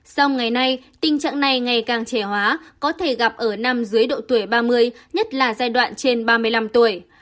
sau ngày nay tình trạng này ngày càng trẻ hóa có thể gặp ở năm dưới độ tuổi ba mươi nhất là giai đoạn trên ba mươi năm tuổi